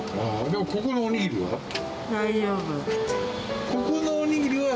でも、ここのおにぎりは？